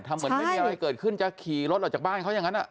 เหมือนไม่มีอะไรเกิดขึ้นจะขี่รถออกจากบ้านเขาอย่างนั้น